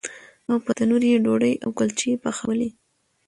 او په تنور یې ډوډۍ او کلچې پخولې.